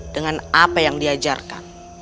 dengan apa yang diajarkan